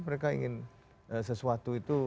mereka ingin sesuatu itu